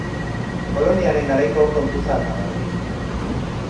Koloniaren garaiko kontu zaharra da hori.